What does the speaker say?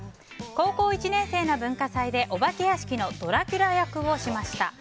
高校１年生の文化祭でお化け屋敷のドラキュラ役をしました。